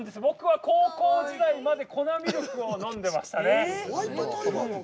僕は高校時代まで粉ミルクを飲んでましたね。